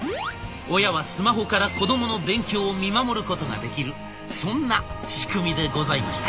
親はスマホから子どもの勉強を見守ることができるそんな仕組みでございました。